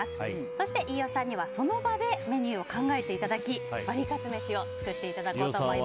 そして飯尾さんには、その場でメニューを考えていただきワリカツめしを作っていただきます。